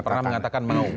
tidak pernah mengatakan mau